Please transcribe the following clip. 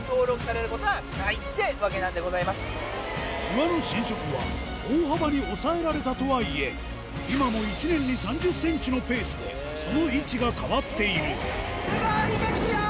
岩の浸食は大幅に抑えられたとはいえ今も１年に３０ｃｍのペースでその位置が変わっているスゴいですよ！